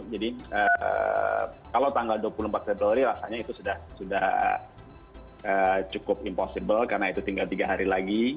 jadi kalau tanggal dua puluh empat februari rasanya itu sudah cukup impossible karena itu tinggal tiga hari lagi